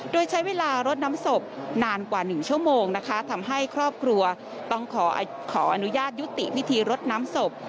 โดยใช้เวลารดน้ำศพนานกว่า๑ชั่วโมงนะคะทำให้ครอบครัวต้องขออนุญาตยุติพิธีรดน้ำศพ